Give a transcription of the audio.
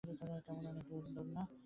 কেমন অনেক দূর, না?